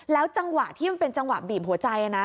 จังหวะที่มันเป็นจังหวะบีบหัวใจนะ